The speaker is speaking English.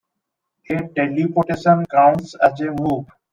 A teleportation counts as a move.